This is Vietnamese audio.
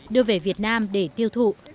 đưa về việt nam để tiêu thụ